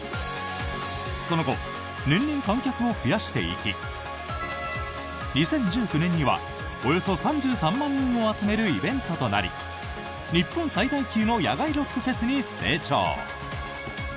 その後、年々観客を増やしていき２０１９年にはおよそ３３万人を集めるイベントとなり日本最大級の野外ロックフェスに成長！